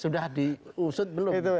sudah diusut belum